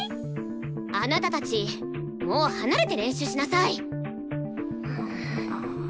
あなたたちもう離れて練習しなさい！